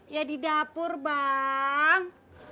ya di dapur bang